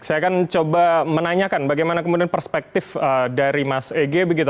saya akan coba menanyakan bagaimana kemudian perspektif dari mas ege begitu